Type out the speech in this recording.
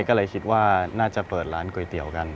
ก็เลยคิดว่าน่าจะเปิดร้านก๋วยเตี๋ยวกัน